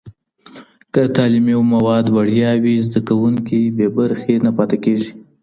که تعلیمي مواد وړیا وي، زده کوونکي بې برخې نه پاته کېږي.